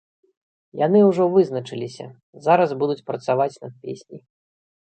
Яны ўжо вызначыліся, зараз будуць працаваць над песняй.